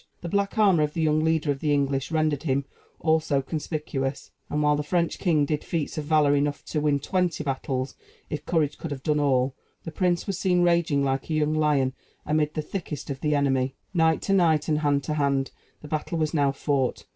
The black armor of the young leader of the English rendered him also conspicuous; and, while the French king did feats of valor enough to win twenty battles if courage could have done all, the prince was seen raging like a young lion amid the thickest of the enemy. Knight to knight, and hand to hand, the battle was now fought.